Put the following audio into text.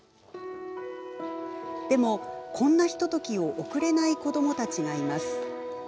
でも、こんなひとときを送れない子どもたちがいます。